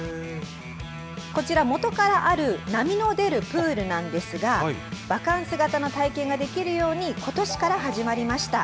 こちら、元からある波の出るプールなんですが、バカンス型の体験ができるように、ことしから始まりました。